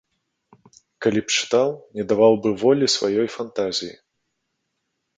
Калі б чытаў, не даваў бы волі сваёй фантазіі.